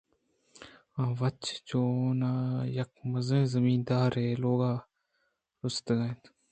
اے وت چوناہی ءَ یک مزنیں زمیندارے ءِ لوگ ءَ رُستگ اَت